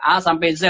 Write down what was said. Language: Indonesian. a sampai z